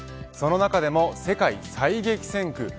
その中でも世界最激戦区